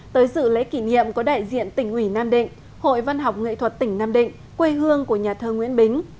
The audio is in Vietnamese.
tới sự lễ kỷ niệm có đại diện tỉnh ủy nam định hội văn học nghệ thuật tỉnh nam định quê hương của nhà thơ nguyễn bính